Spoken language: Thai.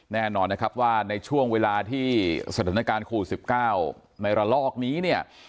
แน่นอนนะครับว่าในช่วงเวลาที่สถานการณ์โควิด๑๙ในระลอกนี้เนี่ย